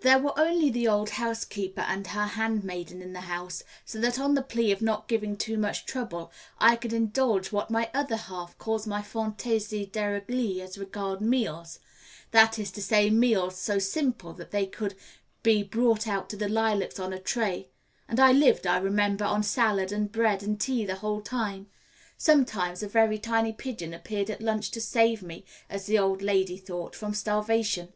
There were only the old housekeeper and her handmaiden in the house, so that on the plea of not giving too much trouble I could indulge what my other half calls my fantaisie dereglee as regards meals that is to say, meals so simple that they could be brought out to the lilacs on a tray; and I lived, I remember, on salad and bread and tea the whole time, sometimes a very tiny pigeon appearing at lunch to save me, as the old lady thought, from starvation.